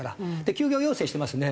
休業要請してますね。